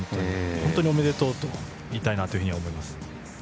本当におめでとうと言いたいと思います。